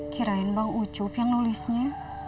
kirain bang ucup yang nulisnya